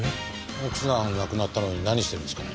奥さん亡くなったのに何してるんですかね？